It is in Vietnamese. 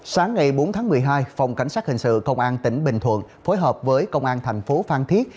sáng ngày bốn tháng một mươi hai phòng cảnh sát hình sự công an tỉnh bình thuận phối hợp với công an thành phố phan thiết